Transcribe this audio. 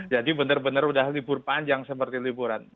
jadi benar benar sudah libur panjang seperti liburan